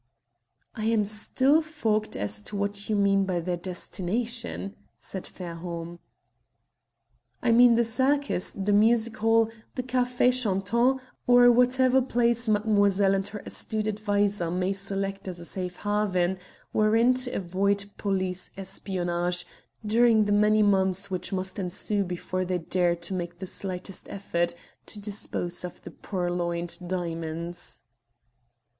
"I am still fogged as to what you mean by their destination?" said Fairholme. "I mean the circus, the music hall, the café chantant, or whatever place mademoiselle and her astute adviser may select as a safe haven wherein to avoid police espionage during the many months which must ensue before they dare to make the slightest effort to dispose of the purloined diamonds."